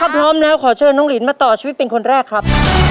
ถ้าพร้อมแล้วขอเชิญน้องลินมาต่อชีวิตเป็นคนแรกครับ